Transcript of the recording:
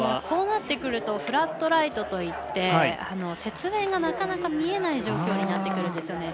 こうなってくるとフラットライトといって雪面がなかなか見えない状況になってくるんです。